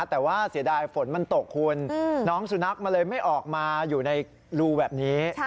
แต่ว่าเสียดายฝนมันตกคุณน้องสุนัขมันเลยไม่ออกมาอยู่ในรูแบบนี้